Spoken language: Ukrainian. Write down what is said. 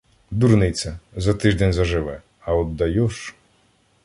Дурниця, за тиждень заживе, а от Дайош.